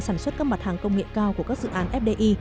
sản xuất các mặt hàng công nghệ cao của các dự án fdi